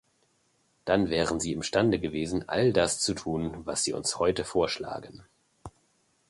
Dann wären Sie imstande gewesen, all das zu tun, was Sie uns heute vorschlagen.